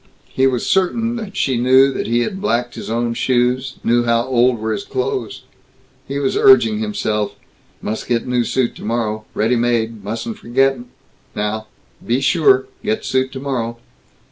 He was certain that she knew that he had blacked his own shoes, knew how old were his clothes. He was urging himself, "Must get new suit tomorrow ready made mustn't forget, now be sure get suit tomorrow."